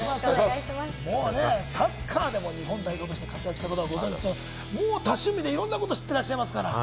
サッカーでも日本代表として活躍したことはもちろんですけれど、多趣味でいろんなことを知ってらっしゃいますから。